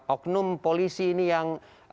oknum polisi ini yang